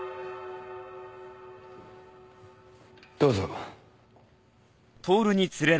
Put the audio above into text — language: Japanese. どうぞ。